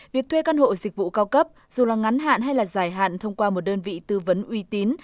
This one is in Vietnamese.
việc thuê căn hộ dịch vụ cao cấp dù là ngắn hạn hay là dài hạn thông qua một đơn vị tư vấn uy tín